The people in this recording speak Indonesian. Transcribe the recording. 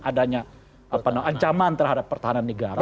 adanya ancaman terhadap pertahanan negara